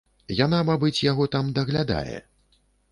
Яна, мабыць, яго там даглядае.